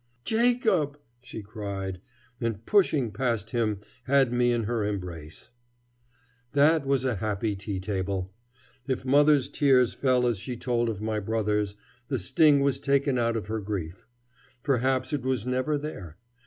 "Jacob!" she cried, and, pushing past him, had me in her embrace. That was a happy tea table. If mother's tears fell as she told of my brothers, the sting was taken out of her grief. Perhaps it was never there.